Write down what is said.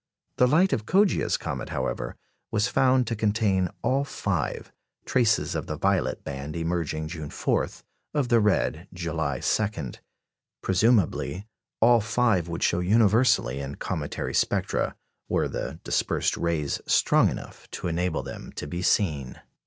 The light of Coggia's comet, however, was found to contain all five, traces of the violet band emerging June 4, of the red, July 2. Presumably, all five would show universally in cometary spectra, were the dispersed rays strong enough to enable them to be seen.